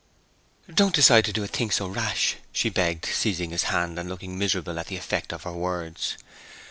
'Don't decide to do a thing so rash!' she begged, seizing his hand, and looking miserable at the effect of her words.